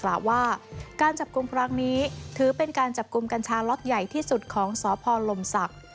กล่าวว่าการจับกลุ่มครั้งนี้ถือเป็นการจับกลุ่มกัญชาล็อตใหญ่ที่สุดของสพลมศักดิ์